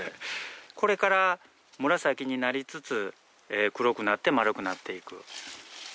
これから紫になりつつ黒くなって丸くなっていく。